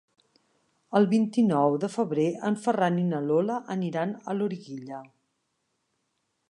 El vint-i-nou de febrer en Ferran i na Lola aniran a Loriguilla.